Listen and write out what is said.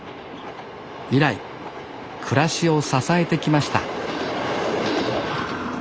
以来暮らしを支えてきました